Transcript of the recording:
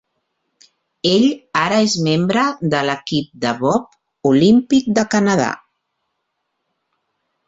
Ell ara és membre de l'equip de bob olímpic del Canadà.